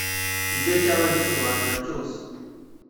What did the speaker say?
icyo cyaba gisobanura cyose